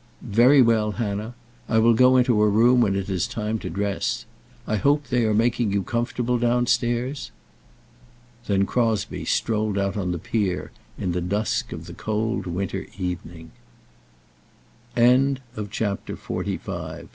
"Very well, Hannah. I will go into her room when it is time to dress. I hope they are making you comfortable downstairs?" Then Crosbie strolled out on the pier in the dusk of the cold winter evening. CHAPTER XLVI. JOHN EAMES AT HIS OFFICE. [